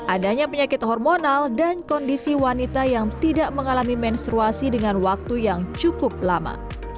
adanya penyakit hormonal dan kondisi wanita yang tidak mengalami menstruasi dengan waktu yang cukup lama